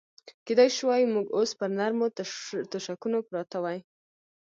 کېدای شوای موږ اوس پر نرمو تشکونو پراته وای.